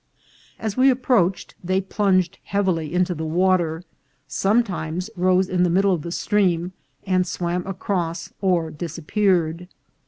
As we approached they plunged heavily into the water, sometimes rose in the middle of the stream, and swam across or disappeared.